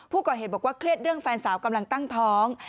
บอกว่าเครียดเรื่องแฟนสาวกำลังตั้งท้อง